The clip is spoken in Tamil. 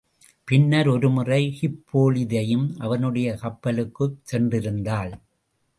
பின்னர் ஒரு முறை ஹிப்போலிதையும் அவனுடைடைய கப்பலுக்குச் சென்றிருந்தாள்.